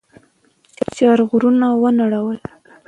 چا غرونه ونړول؟